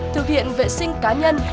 thực hiện vệ sinh cá nhân